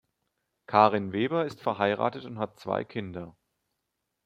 Karin Weber ist verheiratet und hat zwei Kinder.